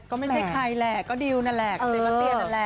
ก็ไม่ใช่ใครแหละก็ดิวน่าแหละ